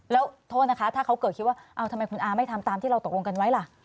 แล้วโทษนะคะถ้าเขาเกิดคิดว่าทำไมคุณอาไม่ทำตามที่เราตกลงกันไว้ล่ะ